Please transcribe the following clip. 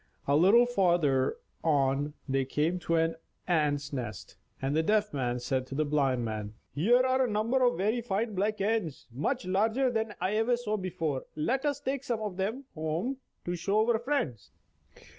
A little farther on they came to an ant's nest, and the Deaf Man said to the Blind Man: "Here are a number of very fine black ants, much larger than any I ever saw before. Let us take some of them home to show our friends."